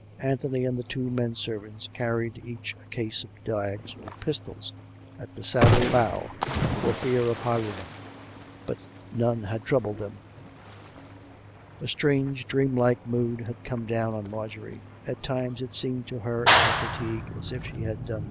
Anthony and the two men servants carried each a case of dags or pistols at the saddle bow, for fear of highwaymen. But none had troubled them. A strange dreamlike mood had come down on Marjorie. At times it seemed to her in her fatigue as if she had done 141 142 COME RACK! COME ROPE!